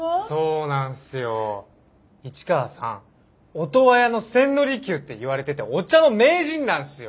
オトワヤの千利休って言われててお茶の名人なんすよ。